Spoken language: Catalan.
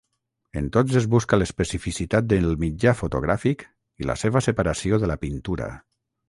En tots es busca l'especificitat del mitjà fotogràfic i la seva separació de la pintura.